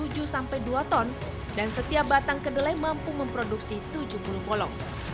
untuk memperluas tanaman kedelai kedelai ini memiliki satu tujuh sampai dua ton dan setiap batang kedelai mampu memproduksi tujuh puluh bolong